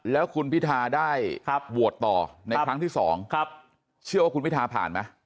แล้วคุณพิทาได้โหวตต่อในครั้งที่๒เชื่อว่าคุณพิธาผ่านไหม